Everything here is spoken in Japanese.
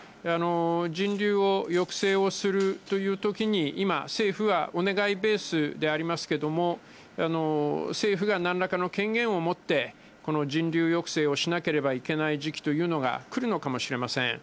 人流を抑制をするというときに、今、政府はお願いベースでありますけれども、政府がなんらかの権限を持って、この人流抑制をしなければいけない時期というのが来るのかもしれません。